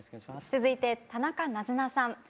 続いて田中なずなさん。